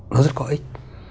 nó rất có ích